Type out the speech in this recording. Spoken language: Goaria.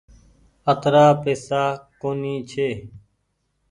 اترآ پئيسا ڪونيٚ ڇي۔